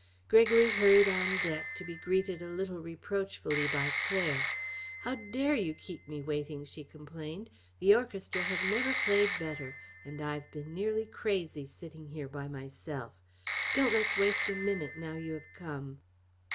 Gregory hurried on deck to be greeted a little reproachfully by Claire. "How dare you keep me waiting," she complained. "The orchestra have never played better and I've been nearly crazy sitting here by myself. Don't let's waste a minute now you have come."